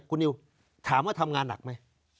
คุณนิวถามว่าทำงานหนักไหม